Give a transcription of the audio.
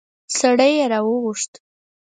سړی يې راوغوښت.